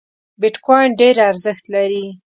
بیټ کواین ډېر ارزښت لري